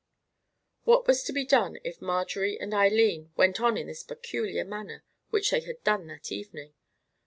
What was to be done if Marjorie and Eileen went on in this peculiar manner which they had done that evening?